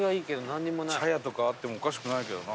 茶屋とかあってもおかしくないけどな。